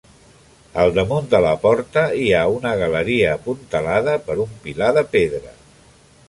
Al damunt de la porta hi ha una galeria apuntalada per un pilar de pedra.